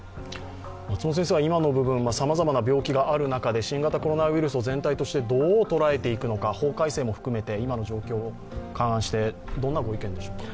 今の部分、さまざまな病気がある中で新型コロナウイルスを全体としてどう捉えていくのか法改正も含めて今の状況を勘案してどんなご意見でしょうか？